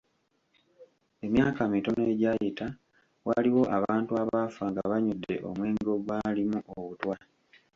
Emyaka mitono egyayita, waliwo abantu abaafa nga banywedde omwenge ogwalimu obutwa.